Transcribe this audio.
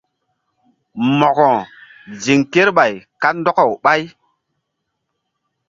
Mo̧ko ziŋ kerɓay kandɔkaw ɓay.